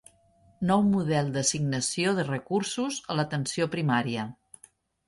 Nou model d'assignació de recursos a l'atenció primària.